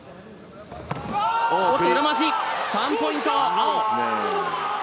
３ポイント。